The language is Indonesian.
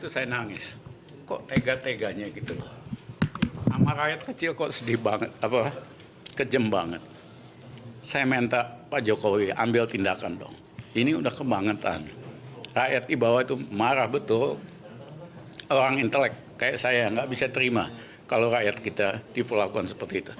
saya tidak bisa terima kalau rakyat kita dipelakukan seperti itu